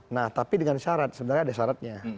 nah tapi dengan syarat sebenarnya ada syaratnya